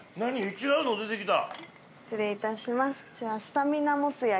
違うの出てきた。